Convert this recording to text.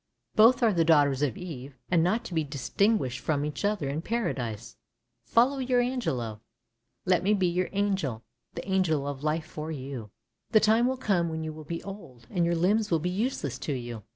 Both are the daughters of Eve, and not to be distinguished from each other in Paradise. Follow your Angelo! Let me be your angel, the angel of life for you ! The time will come when you will be old, and your limbs will be useless to you.